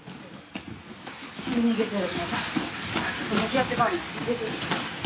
すぐ逃げてる。